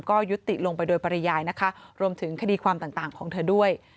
ก็ยุติลงไปโดยปริยายนะคะรวมถึงคดีความต่างของเธอด้วย